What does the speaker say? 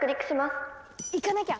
行かなきゃ！